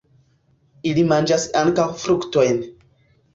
Ili manĝas ankaŭ fruktojn.